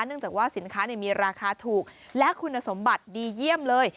เนื่องจากว่าสินค้ามีราคาถูกและคุณสมบัติดีเยี่ยมเลย